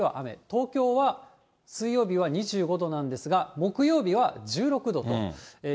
東京は水曜日は２５度なんですが、金曜日、１５度。